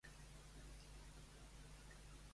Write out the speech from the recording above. A quina ciutat es van exiliar les religioses?